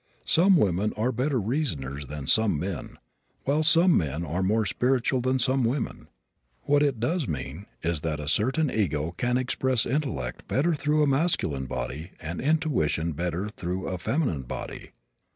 Some women are better reasoners than some men, while some men are more spiritual than some women. What it does mean is that a certain ego can express intellect better through a masculine body and intuition better through a feminine body.